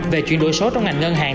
về chuyển đổi số trong ngành ngân hàng